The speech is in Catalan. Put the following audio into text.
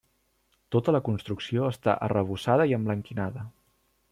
Tota la construcció està arrebossada i emblanquinada.